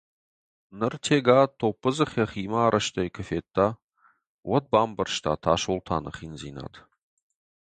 Ныр Тега топпы дзых йӕхимӕ арӕзтӕй куы федта, уӕд бамбӕрста Тасолтаны хиндзинад.